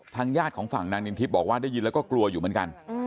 ญาติของฝั่งนางนินทิพย์บอกว่าได้ยินแล้วก็กลัวอยู่เหมือนกัน